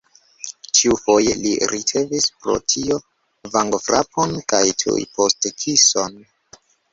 Ĉiufoje li ricevis pro tio vangofrapon kaj tuj poste kison.